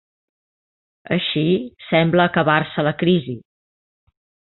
Així, sembla acabar-se la crisi.